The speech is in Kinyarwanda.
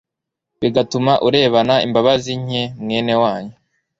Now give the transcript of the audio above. bigatuma urebana imbabazi nke mwene wanyu